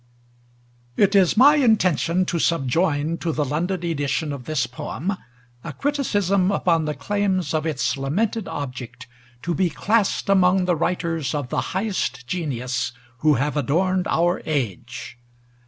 It is my intention to subjoin to the London edition of this poem a criticism upon the claims of its lamented object to be classed among the writers of the highest genius who have adorned our age.